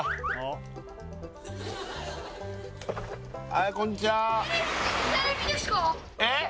はいこんにちはえっ？